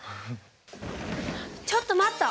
ちょっと待った！